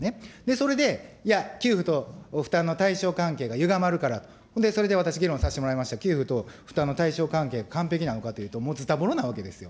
それで、いや、給付と負担のたいしょう関係がゆがまるからと、それで私、議論させてもらいました、給付と負担のたいしょう関係、完璧なのかというと、もうずたぼろなわけですよ。